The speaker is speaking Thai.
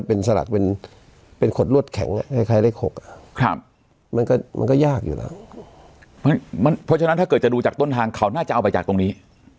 เพราะฉะนั้นถ้าเกิดจะดูจากต้นทางเขาน่าจะเอาไปจากตรงนี้